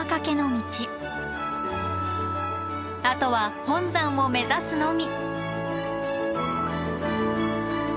あとは本山を目指すのみ！